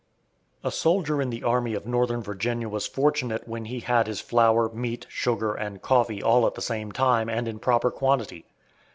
A soldier in the Army of Northern Virginia was fortunate when he had his flour, meat, sugar, and coffee all at the same time and in proper quantity.